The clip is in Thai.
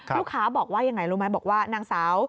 ลูกค้าบอกว่ายังไงรู้ไหมบอกว่านางสาว